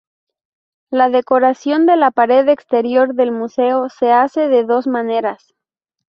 La decoración de la pared exterior del museo se hace de dos maneras.